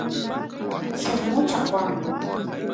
suk mucha qoanku